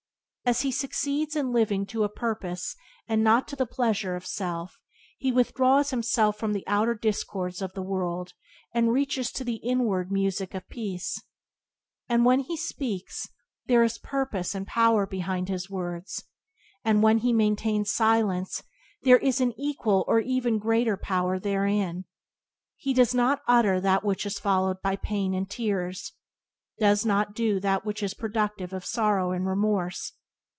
As he succeeds in living to a purpose and not to the pleasures of self he withdraws himself from the outer discords of the world and reaches to the inward music of peace. Then when he speaks there is purpose and power behind his words, and when he maintains silence there is equal or even greater power therein. He does not utter that which is followed by pain and tears; does not do that which is productive of sorrow and remorse.